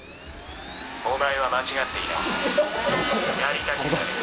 お前は間違っていない」。